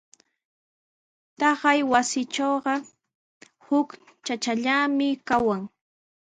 Taqay wasitrawqa huk chachallami kawan.